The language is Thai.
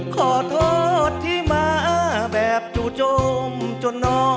ขอโทษที่มาแบบจู่จงจนนอนกลับไป